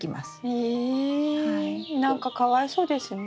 え何かかわいそうですね。